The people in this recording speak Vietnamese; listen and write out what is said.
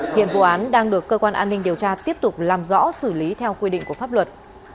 hiện vụ án đang được cơ quan an ninh điều tra tiếp tục làm rõ xử lý theo quy định của pháp luật